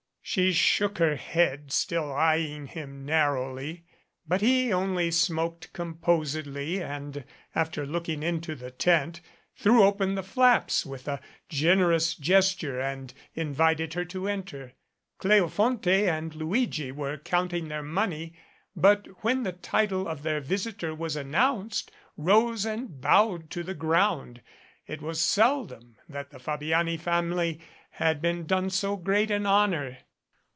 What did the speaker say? She shook her head, still eyeing him narrowly, but he only smoked composedly and, after looking into the tent, threw open the flaps with a generous gesture and invited her to enter. Cleofonte and Luigi were counting their money, but when the title of their visitor was an nounced, rose and bowed to the ground. It was seldom that the Fabiani family had been done so great an honor.